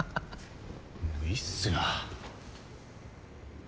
もういいっすよ。